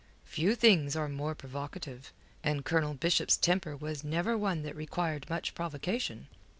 Few things are more provocative; and Colonel Bishop's temper was never one that required much provocation.